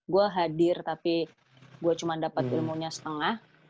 gua hadir tapi gua cuma dapat ilmunya setengah